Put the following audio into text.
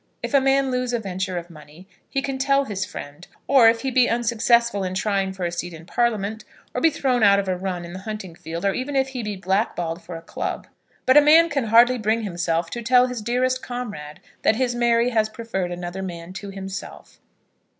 If a man lose a venture of money he can tell his friend; or if he be unsuccessful in trying for a seat in parliament; or be thrown out of a run in the hunting field; or even if he be blackballed for a club; but a man can hardly bring himself to tell his dearest comrade that his Mary has preferred another man to himself.